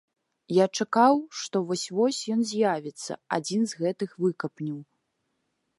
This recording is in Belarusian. Я чакаў, што вось-вось ён з'явіцца, адзін з гэтых выкапняў.